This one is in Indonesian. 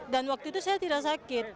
dan waktu itu saya tidak sakit